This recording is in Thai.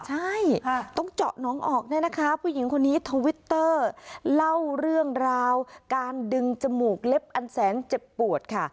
ใช่ต้องเจาะน้องออกเนี่ยนะคะผู้หญิงคนนี้ทวิตเตอร์เล่าเรื่องราวการดึงจมูกเล็บอันแสนเจ็บปวดค่ะ